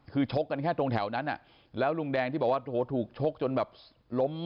คือชกกันแค่ตรงแถวนั้นอ่ะแล้วลุงแดงที่บอกว่าถูกชกจนแบบล้ม